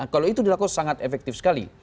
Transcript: kalau itu dilakukan sangat efektif sekali